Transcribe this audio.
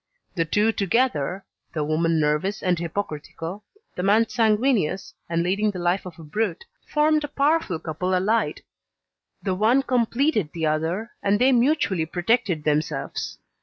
The two together, the woman nervous and hypocritical, the man sanguineous and leading the life of a brute, formed a powerful couple allied. The one completed the other, and they mutually protected themselves.